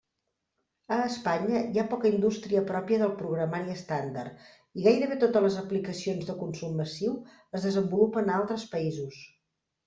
A Espanya hi ha poca indústria pròpia de programari estàndard, i gairebé totes les aplicacions de consum massiu es desenvolupen a altres països.